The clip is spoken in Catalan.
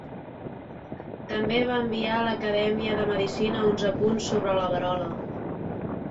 També va enviar a l'Acadèmia de Medicina uns apunts sobre la verola.